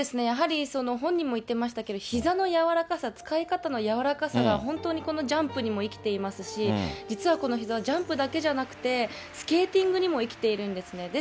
やはり本人も言ってましたけど、ひざの柔らかさ、使い方の柔らかさが本当にこのジャンプにも生きていますし、実はこのひざ、ジャンプだけじゃなくて、スケーティングにも生きているんですね。